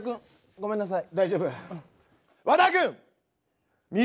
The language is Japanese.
ごめんなさい！